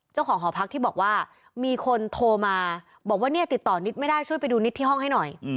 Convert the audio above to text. หอพักที่บอกว่ามีคนโทรมาบอกว่าเนี่ยติดต่อนิดไม่ได้ช่วยไปดูนิดที่ห้องให้หน่อย